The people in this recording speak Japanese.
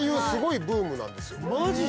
マジで？